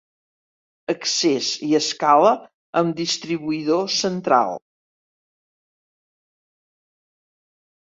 Accés i escala amb distribuïdor central.